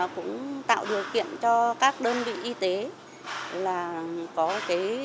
cũng tạo điều kiện cho các đơn vị y tế